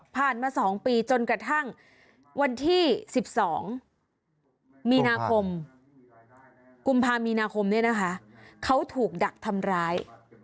มา๒ปีจนกระทั่งวันที่๑๒มีนาคมกุมภามีนาคมเนี่ยนะคะเขาถูกดักทำร้าย